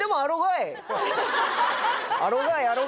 あろがいあろ